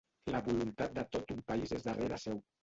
La voluntat de tot un país és darrere seu.